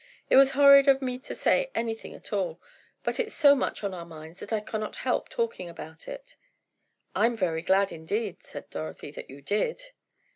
It was horrid of me to say anything at all, but it's so much on our minds that I cannot help talking about it." "I'm very glad indeed," said Dorothy, "that you did."